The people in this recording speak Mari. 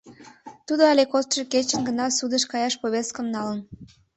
Тудо але кодшо кечын гына судыш каяш повесткым налын.